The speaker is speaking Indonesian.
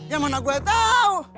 yang mana gue tau